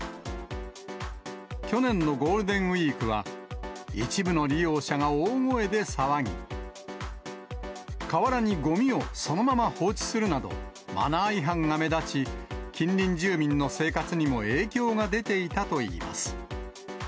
去年のゴールデンウィークは、一部の利用者が大声で騒ぎ、河原にごみをそのまま放置するなど、マナー違反が目立ち、近隣住民の生活にも影響が出ていたといいます。